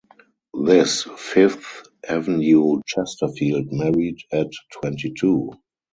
This Fifth Avenue Chesterfield married at twenty-two.